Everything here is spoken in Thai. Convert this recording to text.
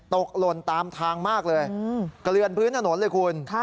หล่นตามทางมากเลยเกลือนพื้นถนนเลยคุณ